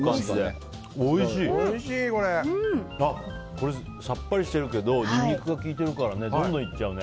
これさっぱりしてるけどニンニクが効いてるから全然いっちゃうね。